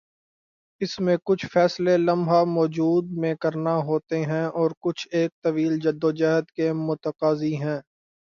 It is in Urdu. اس میں کچھ فیصلے لمحہ موجود میں کرنا ہوتے ہیں اور کچھ ایک طویل جدوجہد کے متقاضی ہیں۔